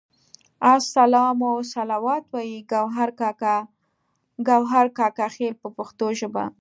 السلام والصلوات وایي ګوهر کاکا خیل په پښتو ژبه.